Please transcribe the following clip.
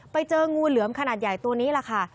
ไปเจองูเหลือมขนาดใหญ่ตัวนี้แหละค่ะ